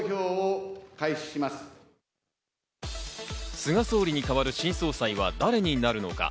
菅総理に代わる新総裁は誰になるのか。